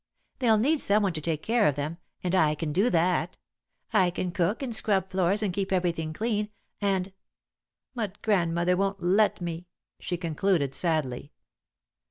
They'll need someone to take care of them, and I can do that. I can cook and scrub floors and keep everything clean, and but Grandmother won't let me," she concluded, sadly.